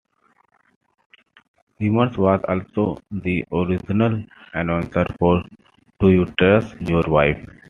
Reimers was also the original announcer for Do You Trust Your Wife?